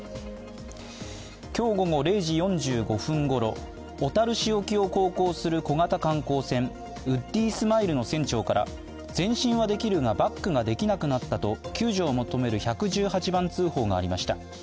今日午後０時４５分ごろ、小樽市沖を航行する小型観光船「ＷｏｏｄｙＳｍｉｌｅ」の船長から前進はできるがバックができなくなったと救助を求める１１８番通報がありました。